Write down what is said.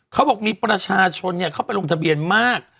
เขาบอกมีประชาชนเข้าไปลงทะเบียนมาก